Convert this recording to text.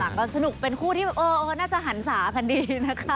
ตอนหลังก็สนุกเป็นคู่ที่โอ๊ยน่าจะหันสาคันดีนะคะ